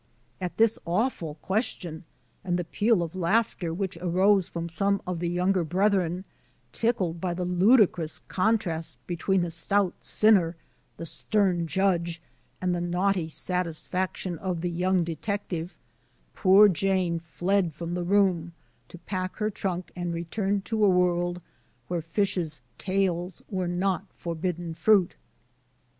At this awful question and the peal of laughter which arose from some of the younger brethren, tickled by the ludicrous contrast between the stout sinner, the stem judge, and the naughty satisfaction of the young detective, poor Jane fled from the room to pack her trunk and return Digitized by VjOOQ IC i64 BRONSON ALCOTT'S FRUITLANDS to a world where fishes' tails were not forbidden fruit.